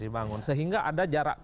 dibangun sehingga ada jarak